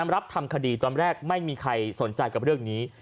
รับทำคดีตอนแรกไม่มีใครสนใจกับเรื่องนี้